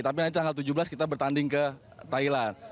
tapi nanti tanggal tujuh belas kita bertanding ke thailand